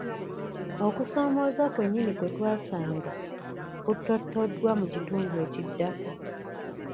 Okusoomooza kwennyini kwe twasanga kuttottoddwa mu kitundu ekiddako.